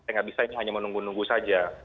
saya tidak bisa hanya menunggu nunggu saja